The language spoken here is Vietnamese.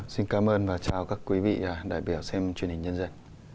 xin cảm ơn và chào các quý vị đại biểu xem truyền hình nhân dân